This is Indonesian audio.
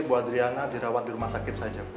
ibu adriana dirawat di rumah sakit saja